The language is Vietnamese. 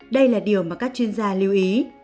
đây là điều mà các chuyên gia lưu ý